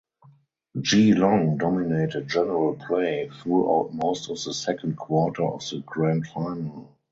Geelong dominated general play throughout most of the second quarter of the Grand Final.